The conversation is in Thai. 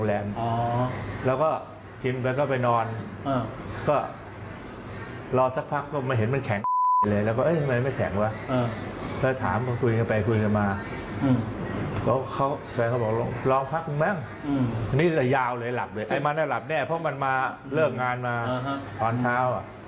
ไอ้มันไม่หลับเนี่ยเพราะมันมาเลิกงานมาตอนเช้า